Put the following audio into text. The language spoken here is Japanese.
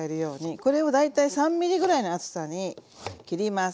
これを大体３ｍｍぐらいの厚さに切ります。